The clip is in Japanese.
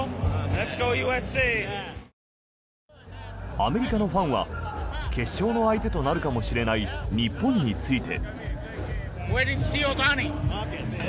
アメリカのファンは決勝の相手となるかもしれない日本について。